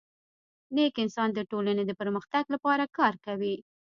نیک انسان د ټولني د پرمختګ لپاره کار کوي.